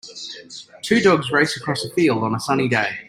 Two dogs race across a field on a sunny day.